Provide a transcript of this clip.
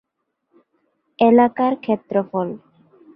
এলাকার ক্ষেত্রফল